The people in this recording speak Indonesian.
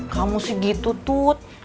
kamu sih gitu tut